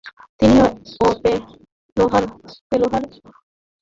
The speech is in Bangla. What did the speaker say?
তিনি ও পেলহাম ওয়ার্নার দুইবার এ সম্মাননায় অভিষিক্ত হতে পেরেছেন।